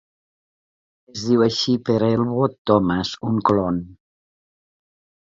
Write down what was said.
Es diu així per Elwood Thomas, un colon.